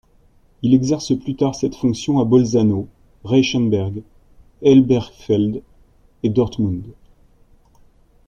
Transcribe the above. Il exerce plus tard cette fonction à Bolzano, Reichenberg, Elberfeld et Dortmund.